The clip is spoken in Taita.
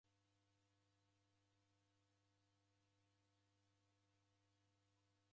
Namanya ni bagha ra w'aw'a Maghuwa.